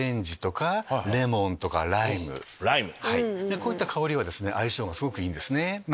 こういった香りは相性がすごくいいんですね。